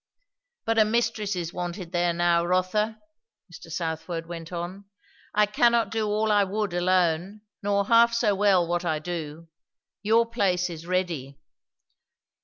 But a mistress is wanted there now, Rotha," Mr. Southwode went on. "I cannot do all I would alone, nor half so well what I do. Your place is ready."